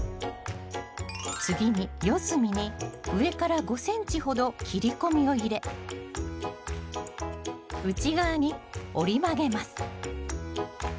次に四隅に上から５ｃｍほど切り込みを入れ内側に折り曲げます。